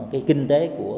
cái kinh tế của